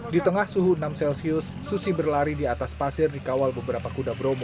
di tengah suhu enam celcius susi berlari di atas pasir di kawal beberapa kuda bromo